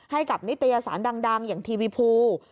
ให้กับนิตยสารดังอย่างทีวีภู